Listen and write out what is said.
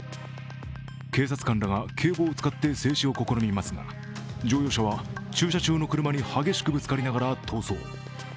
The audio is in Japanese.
警察官らは警棒を使って制止を試みますが、乗用車は駐車中の車に激しくぶつかりながら逃走。